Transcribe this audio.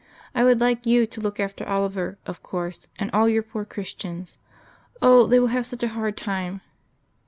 I would like You to look after Oliver, of course, and all Your poor Christians. Oh! they will have such a hard time....